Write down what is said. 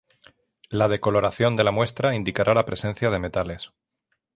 La decoloración de la muestra indicará la presencia de metales.